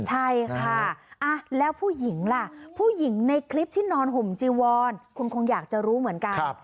ใช่ค่ะแล้วผู้หญิงล่ะผู้หญิงในคลิปที่นอนห่มจีวอนคุณคงอยากจะรู้เหมือนกัน